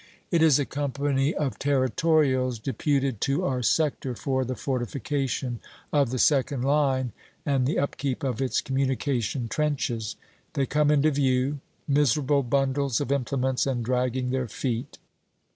It is a company of Territorials, deputed to our sector for the fortification of the second line and the upkeep of its communication trenches. They come into view miserable bundles of implements, and dragging their feet.